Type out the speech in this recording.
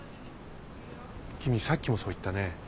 君さっきもそう言ったね。